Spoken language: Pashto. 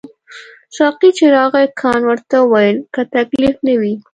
ساقي چې راغی کانت ورته وویل که تکلیف نه وي.